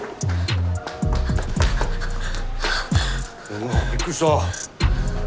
おびっくりした。